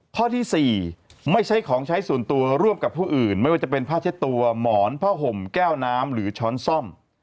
ข้อที่๔ไม่ใช้ของใช้ส่วนตัวร่วมกับผู้อื่นไม่ว่าจะเป็นผ้าเช็ดตัวหมอนผ้าห่มแก้วน้ำหรือช้อนซ่อม